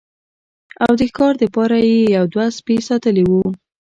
او د ښکار د پاره يې يو دوه سپي ساتلي وو